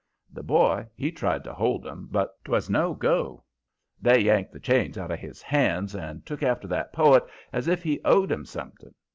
The boy, he tried to hold 'em, but 'twas no go. They yanked the chains out of his hands and took after that poet as if he owed 'em something.